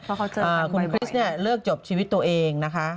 เพราะเขาเจอคุณคริสเนี่ยเลิกจบชีวิตตัวเองนะคะ